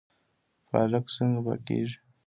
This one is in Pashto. پالک څنګه پاکیږي؟